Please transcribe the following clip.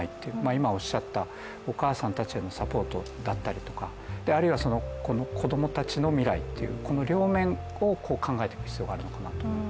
今おっしゃったお母さんたちへのサポートだったりとか、あるいは子供たちの未来、この両面を考えていく必要があるのかなと思います。